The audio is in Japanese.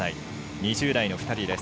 ２０代の２人です。